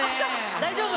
大丈夫？